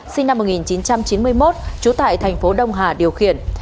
sinh năm một nghìn chín trăm chín mươi một trú tại tp đông hà điều khiển